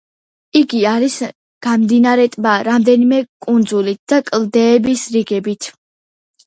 იგი არის გამდინარე ტბა რამდენიმე კუნძულით და კლდეების რიგებით.